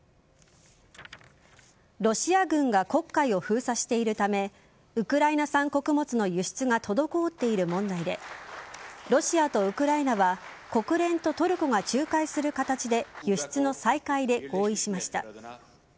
ロシア軍が黒海を封鎖しているためウクライナ産穀物の輸出が滞っている問題でロシアとウクライナは国連とトルコが仲介する形で輸出の再開で合意しました。